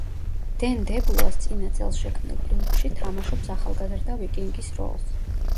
დენ დებლუას წინა წელს შექმნილ ფილმში თამაშობს ახალგაზრდა ვიკინგის როლს.